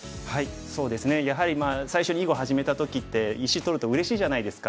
そうですねやはり最初に囲碁を始めた時って石取るとうれしいじゃないですか。